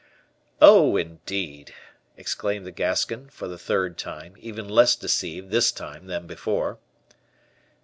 "Oh, indeed," exclaimed the Gascon, for the third time, even less deceived this time than before.